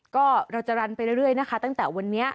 ก็เราจะรันไปเรื่อยนะคะตั้งแต่วันนี้